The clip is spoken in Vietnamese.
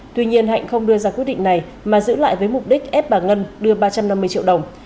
tuy nhiên hạnh không đưa ra quyết định này mà giữ lại với mục đích ép bà ngân đưa ba trăm năm mươi triệu đồng